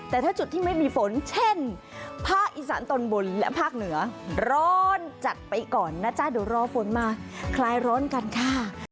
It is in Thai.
แต่ถ้าจุดที่ไม่มีฝนเช่นภาคอีสานตอนบนและภาคเหนือร้อนจัดไปก่อนนะจ๊ะเดี๋ยวรอฝนมาคลายร้อนกันค่ะ